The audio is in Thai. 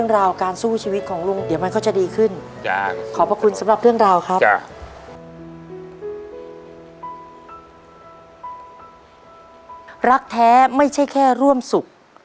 รักแท้ไม่ใช่แค่ร่วมสุข